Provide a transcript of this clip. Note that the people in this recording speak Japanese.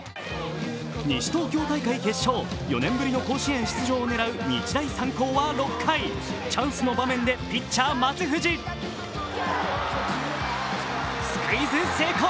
西東京大会決勝、４年ぶりの甲子園出場を狙う日大三高は６回、チャンスの場面でピッチャー・松藤スクイズ成功。